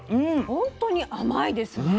本当に甘いですね。